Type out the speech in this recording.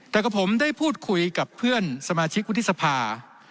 แต่กับผมได้พูดคุยกับเพื่อนสมาชิกวุฒิสภา